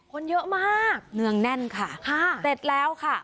คนเยอะมากเนืองแน่นค่ะค่ะเสร็จแล้วค่ะ